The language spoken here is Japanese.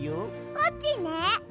コッチね！